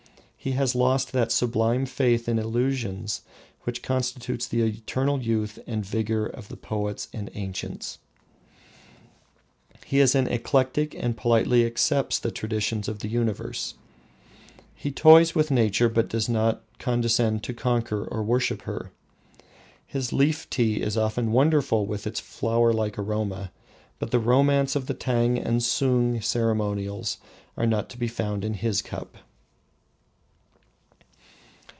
He has lost that sublime faith in illusions which constitutes the eternal youth and vigour of the poets and ancients. He is an eclectic and politely accepts the traditions of the universe. He toys with Nature, but does not condescend to conquer or worship her. His Leaf tea is often wonderful with its flower like aroma, but the romance of the Tang and Sung ceremonials are not to be found in his cup.